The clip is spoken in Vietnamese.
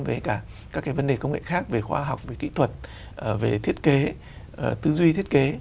với cả các cái vấn đề công nghệ khác về khoa học về kỹ thuật về thiết kế tư duy thiết kế